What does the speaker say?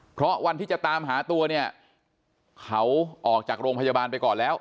เพราะวันที่จะตามหาตัวเนี่ยเขาออกจากโรงพยาบาลไปก่อนแล้ว